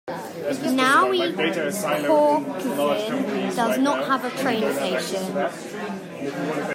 Nowy Korczyn does not have a train station.